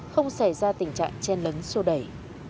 không xảy ra tình trạng chen lấn sô đẩy